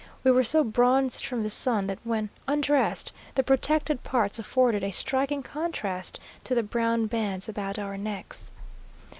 We were so bronzed from the sun that when undressed the protected parts afforded a striking contrast to the brown bands about our necks.